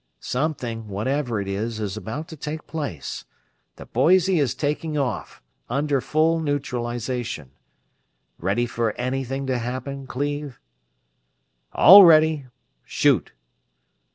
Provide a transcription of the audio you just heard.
"Something, whatever it is, is about to take place. The Boise is taking off, under full neutralization. Ready for anything to happen, Cleve?" "All ready shoot!"